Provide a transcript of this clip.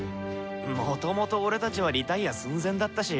もともと俺たちはリタイア寸前だったし。